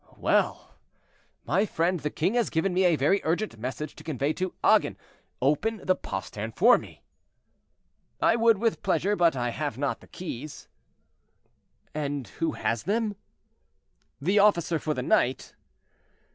"Well! my friend, the king has given me a very urgent message to convey to Agen; open the postern for me." "I would with pleasure, but I have not the keys." "And who has them?" "The officer for the night."